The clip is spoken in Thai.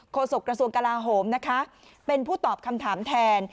โศกระทรวงกลาโหมนะคะเป็นผู้ตอบคำถามแทน